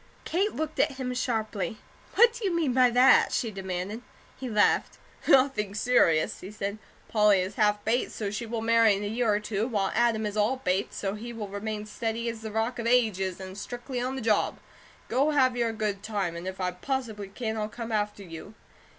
Kate looked at him sharply: "What do you mean by that?" she demanded. He laughed: "Nothing serious," he said. "Polly is half Bates, so she will marry in a year or two, while Adam is all Bates, so he will remain steady as the Rock of Ages, and strictly on the job. Go have your good time, and if I possibly can, I'll come after you."